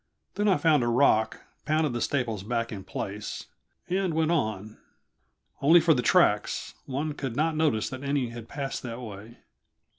Then I found a rock, pounded the staples back in place, and went on; only for the tracks, one could not notice that any had passed that way.